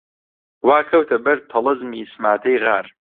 وا کەوتە بەر تەڵەزمی سماتەی غار